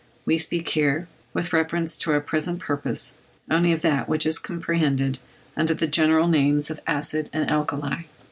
We speak here, with reference to our present purpose, only of that which is comprehended under the general names of acid and alkali.